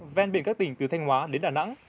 ven biển các tỉnh từ thanh hóa đến đà nẵng